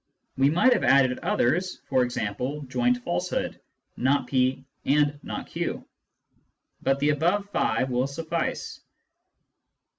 We might have added others, / for example, joint falsehood, " not /) and not y," but the above five will suffice.